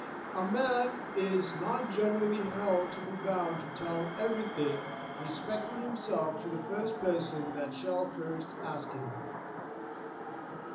A man is not generally held to be bound to tell everything respecting himself to the first person that shall ask him.